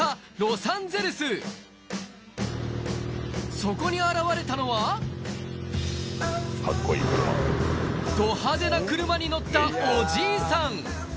そこに現れたのはド派手な車に乗ったおじいさん